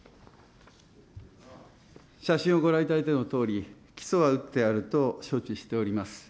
写真をご覧いただいたとおり、基礎は打ってあると承知しております。